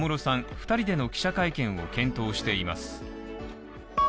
２人での記者会見を検討しています。